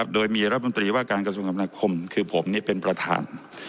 โดยมีรัฐมนตรีว่าการกระทรวงคำนาคมคือผมเป็นประธาน